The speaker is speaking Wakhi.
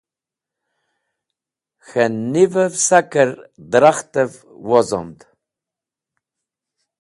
K̃he nivev saker drakhtev wozomd.